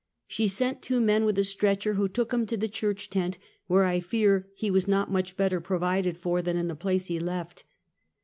She sent two men with a stretcher, who took him to the church tent, where I fear he was not much better provided for than in the place he left.